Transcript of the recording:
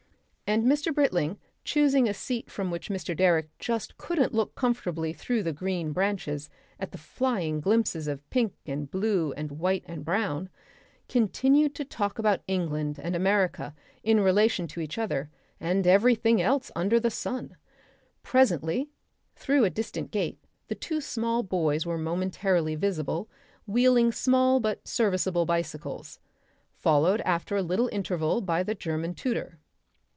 And Mr. Britling, choosing a seat from which Mr. Direck just couldn't look comfortably through the green branches at the flying glimpses of pink and blue and white and brown, continued to talk about England and America in relation to each other and everything else under the sun. Presently through a distant gate the two small boys were momentarily visible wheeling small but serviceable bicycles, followed after a little interval by the German tutor.